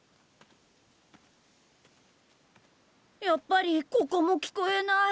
やっぱりここも聞こえない。